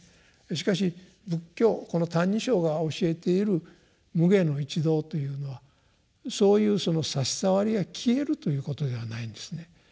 しかし仏教この「歎異抄」が教えている「無礙の一道」というのはそういう差し障りが消えるということではないんですね。